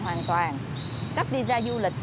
hoàn toàn cấp visa du lịch